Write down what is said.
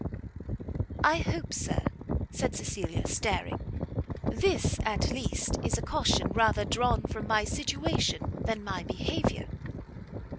"I hope, Sir," said Cecilia, staring, "this at least is a caution rather drawn from my situation than my behaviour?"